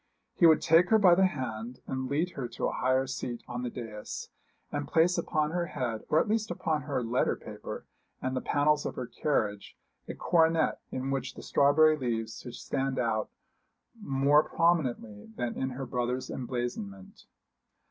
He would take her by the hand and lead her to a higher seat on the dais, and place upon her head, or at least upon her letter paper and the panels of her carriage, a coronet in which the strawberry leaves should stand out more prominently than in her brother's emblazonment.